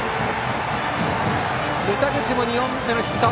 牟田口も２本目のヒット。